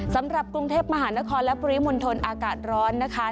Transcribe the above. สำหรับกรุงเทพมหานครและปริมณฑลอากาศร้อนนะคะ